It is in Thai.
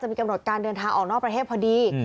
มีกำหนดการเดินทางออกนอกประเทศพอดี